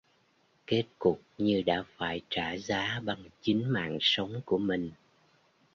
Kết cục như đã phải trả giá bằng chính mạng sống của mình